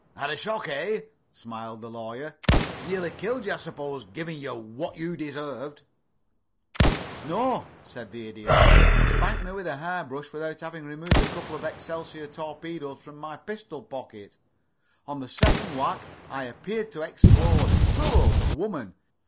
"Had a shock, eh?" smiled the Lawyer. "Nearly killed you, I suppose, giving you what you deserved?" "No," said the Idiot. "Spanked me with a hair brush without having removed a couple of Excelsior torpedoes from my pistol pocket. On the second whack I appeared to explode. Poor woman!